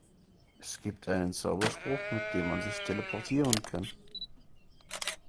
Es gibt einen Zauberspruch, mit dem man sich teleportieren kann.